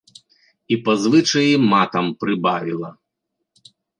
І па звычаі матам прыбавіла.